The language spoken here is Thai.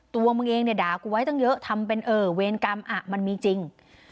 ตัวมึงเองเนี่ยด่ากูไว้ตั้งเยอะทำเป็นเออเวรกรรมมันมีจริง